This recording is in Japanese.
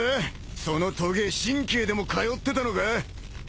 そのとげ神経でも通ってたのか？